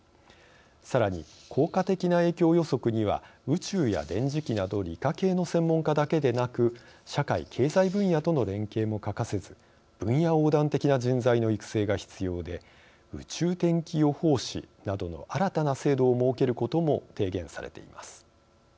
さらに、効果的な影響予測には宇宙や電磁気など理科系の専門家だけでなく社会経済分野との連携も欠かせず分野横断的な人材の育成が必要で「宇宙天気予報士」などの新たな制度を設けることも提言されています。